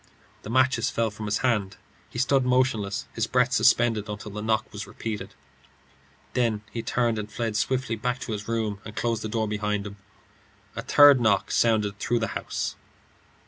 The matches fell from his hand and spilled in the passage. He stood motionless, his breath suspended until the knock was repeated. Then he turned and fled swiftly back to his room, and closed the door behind him. A third knock sounded through the house.